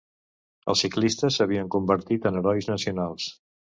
Els ciclistes s'havien convertit en herois nacionals.